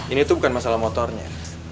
ini tuh bukan masalah motornya